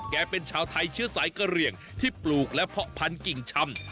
เป็นชาวไทยเชื้อสายกะเหลี่ยงที่ปลูกและเพาะพันธิ่งชำ